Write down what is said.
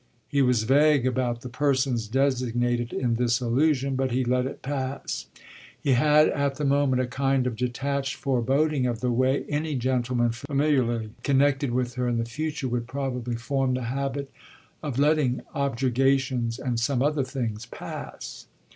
He was vague about the persons designated in this allusion, but he let it pass: he had at the moment a kind of detached foreboding of the way any gentleman familiarly connected with her in the future would probably form the habit of letting objurgations and some other things pass.